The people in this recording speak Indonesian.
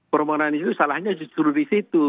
permohonan itu salahnya justru disitu